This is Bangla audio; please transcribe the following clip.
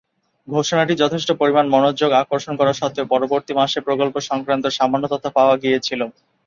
ঘোষণাটি যথেষ্ট পরিমাণ মনোযোগ আকর্ষণ করা সত্ত্বেও পরবর্তী মাসে প্রকল্প সংক্রান্ত সামান্য তথ্য পাওয়া গিয়েছিল।